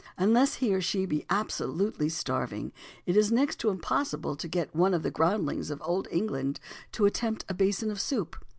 Unless he or she be absolutely starving, it is next to impossible to get one of the groundlings of old England to attempt a basin of soup.